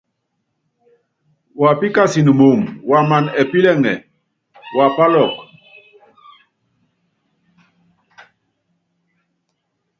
Wapíkasɛn moomb waman ɛpílɛŋɛ wapíli.